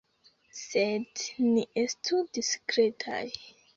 Sed ni estu diskretaj.